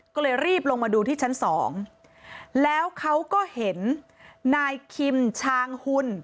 ก็เลยรีบลงมาดูที่ชั้นสองแล้วเขาก็เห็นนายคิมชางหุ่น